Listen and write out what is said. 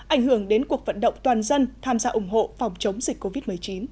ảnh hưởng đến cuộc vận động toàn dân tham gia ủng hộ phòng chống dịch covid một mươi chín